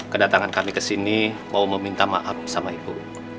kedatangan kami kesini mau meminta maaf sama ibu